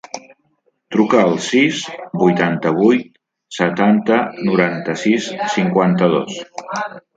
Truca al sis, vuitanta-vuit, setanta, noranta-sis, cinquanta-dos.